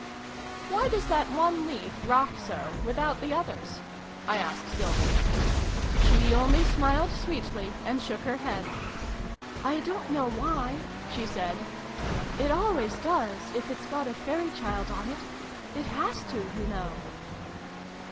"Why does that one leaf rock so, without the others ?" I asked Sylvie. She only smiled sweetly and shook her head. " I don't know why I' she said. "It always does, if it's got a fairy child on it. It has to, you know."